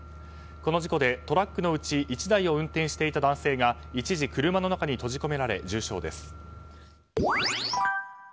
この事故でトラックのうち１台を運転していた男性が一時車の中に閉じ込められ重傷です。